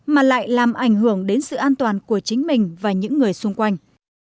mà lại làm ảnh hưởng đến sự an toàn của chính mình và những người xung quanh